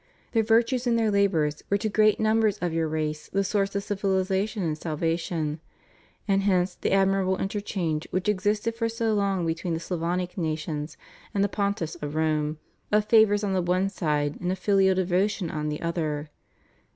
Their virtues and their labors were to great numbers of your race the source of civilization and salvation. And hence the admirable interchange, which existed for so long be tween the Slavonic nations and the Pontiffs of Rome, of favors on the one side and of filial devotion on the other.